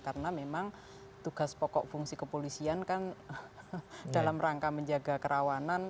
karena memang tugas pokok fungsi kepolisian kan dalam rangka menjaga kerawanan